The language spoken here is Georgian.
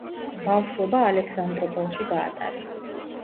ბავშვობა ალექსანდროპოლში გაატარა.